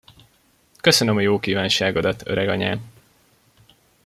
Köszönöm a jókívánságodat, öreganyám!